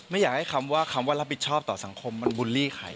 ไม่อยากให้คำว่าคำว่ารับผิดชอบต่อสังคมมันบุลลี่ใคร